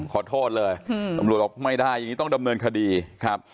ขอโทษเลยตำรวจบอกไม่ได้อย่างนี้ต้องดำเนินคดีครับ